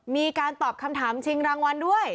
มีการตอบคำถามชิงรางวัลด้วย